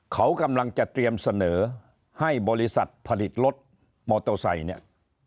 เขากำลังจะเตรียมเสนอให้บริษัทผลิตรถมอเตอร์ไซค์เนี่ย